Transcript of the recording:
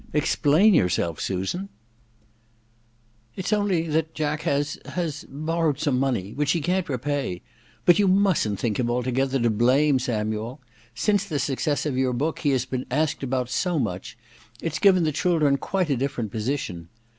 Explain yourself, Susan !'^ It*s only that Jack has — has borrowed some money — which he can*t repay. But you mustn't think him altogether to blame, Samuel. Since the success of your book he has been asked about so much — ^it*s given the children quite a different position.